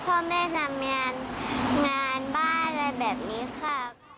ก็ช่วยพ่อแม่ทำงานบ้านอะไรแบบนี้ค่ะ